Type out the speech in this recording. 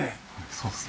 そうですね。